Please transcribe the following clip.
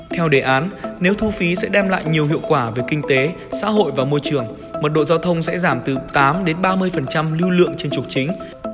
theo đề án nếu thu phí sẽ đem lại nhiều hiệu quả về kinh tế xã hội và môi trường mật độ giao thông sẽ giảm từ tám ba mươi lưu lượng trên trục chính